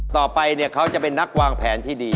ต่อไปเนี่ยเขาจะเป็นนักวางแผนที่ดี